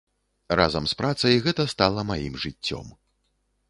Разам з працай гэта стала маім жыццём.